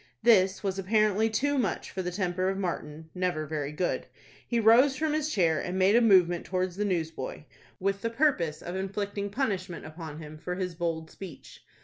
This was apparently too much for the temper of Martin, never very good. He rose from his chair, and made a movement towards the newsboy, with the purpose of inflicting punishment upon him for his bold speech.